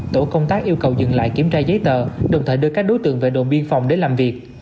tổ công tác yêu cầu dừng lại kiểm tra giấy tờ đồng thời đưa các đối tượng về đồn biên phòng để làm việc